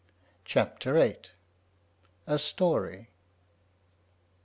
CHAPTER VIII. A STORY.